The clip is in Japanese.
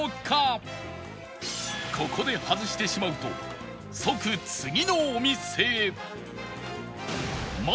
ここで外してしまうと即次のお店へ